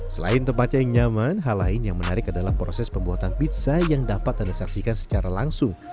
selain tempatnya yang nyaman hal lain yang menarik adalah proses pembuatan pizza yang dapat anda saksikan secara langsung